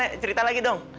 nek cerita lagi dong